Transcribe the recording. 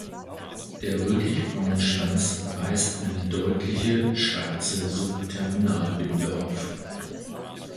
Der rötlichbraune Schwanz weist eine deutliche schwarze Subterminalbinde auf.